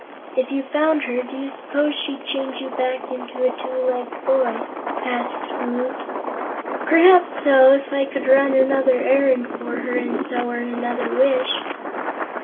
"If you found her, do you suppose she'd change you back into a two legged boy?" asked Woot. "Perhaps so, if I could run another errand for her and so earn another wish."